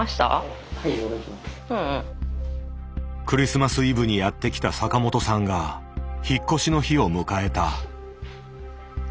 クリスマスイブにやって来た坂本さんが引っ越しの日を迎えた。